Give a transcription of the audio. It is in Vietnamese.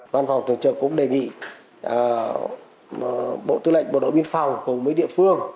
văn phòng tổng trưởng cũng đề nghị bộ tư lệnh bộ đội biên phòng cùng với địa phương